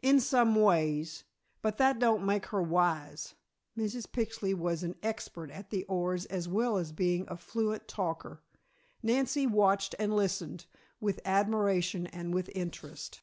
"In some ways, but that don't make her wise." Mrs. Pixley was an expert at the oars as well as being a fluent talker. Nancy watched and listened, with admiration and with interest.